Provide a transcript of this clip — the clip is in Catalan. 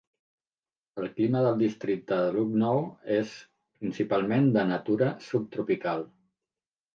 El clima del districte de Lucknow és principalment de natura subtropical.